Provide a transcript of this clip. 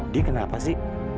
dia kenapa sih